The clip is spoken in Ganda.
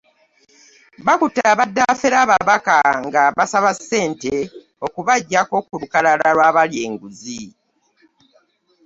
Bakutte abadde afera ababaka ng'abasaba ssente okubaggya ku lukalala lw'abalya enguzi.